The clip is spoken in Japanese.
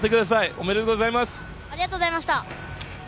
おめでとうございます！